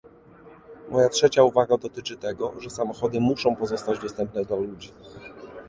Moja trzecia uwaga dotyczy tego, że samochody muszą pozostać dostępne dla ludzi